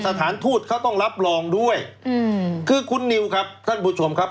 สถานทูตเขาต้องรับรองด้วยอืมคือคุณนิวครับท่านผู้ชมครับ